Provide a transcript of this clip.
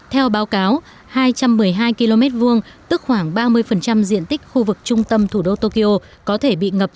theo báo cáo hai trăm một mươi hai km hai tức khoảng ba mươi diện tích khu vực trung tâm thủ đô tokyo có thể bị ngập